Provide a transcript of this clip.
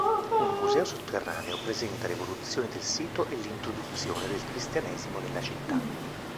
Un museo sotterraneo presenta l'evoluzione del sito e l'introduzione del cristianesimo nella città.